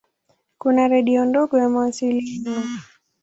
Kuna redio ndogo ya mawasiliano.